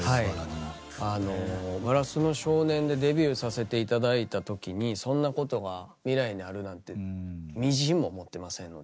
「硝子の少年」でデビューさせて頂いた時にそんなことが未来にあるなんてみじんも思ってませんので。